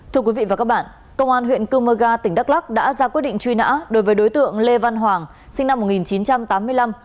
thưa quý vị và các bạn công an huyện cơ mơ ga tỉnh đắk lắc đã ra quyết định truy nã đối với đối tượng lê văn hoàng sinh năm một nghìn chín trăm tám mươi năm